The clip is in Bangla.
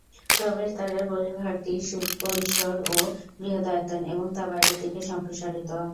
প্রবেশদ্বারের বহির্ভাগটি সুপরিসর ও বৃহদায়তন এবং তা বাইরের দিকে সম্প্রসারিত।